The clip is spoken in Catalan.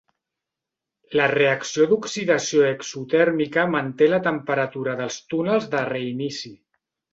La reacció d'oxidació exotèrmica manté la temperatura dels túnels de reinici.